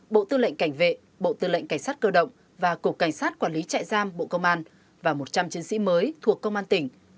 bộ tư lệnh cảnh vệ bộ tư lệnh cảnh sát cơ động và cục cảnh sát quản lý trại giam bộ công an và một trăm linh chiến sĩ mới thuộc công an tỉnh